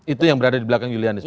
itu yang berada di belakang julianis